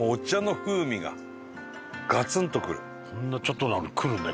ほんのちょっとなのにくるね。